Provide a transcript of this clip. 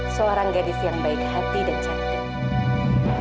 seorang gadis yang baik hati dan cantik